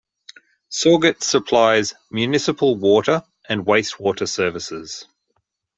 Sauget supplies municipal water and wastewater services.